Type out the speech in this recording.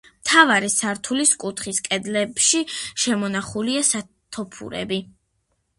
მთავარი სართულის კუთხის კედლებში შემონახულია სათოფურები.